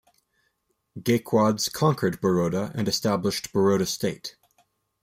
Gaekwads conquered Baroda and established Baroda State.